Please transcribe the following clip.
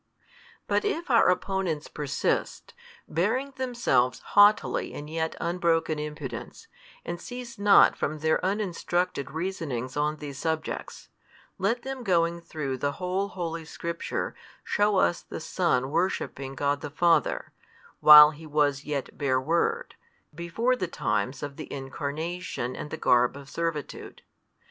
But if our opponents persist, bearing themselves haughtily in yet unbroken impudence, and cease not from their uninstructed reasonings on these subjects, let them going through the whole Holy Scripture, shew us the Son worshipping God the Father, while He was yet bare Word, before the times of the Incarnation and the garb of servitude.